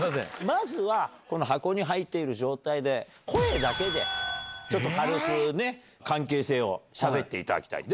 まずは箱に入っている状態で声だけで軽く関係性をしゃべっていただきたい。